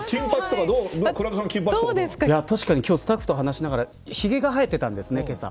確かに今日スタッフと話しながらけさ、ひげが生えてたんですね。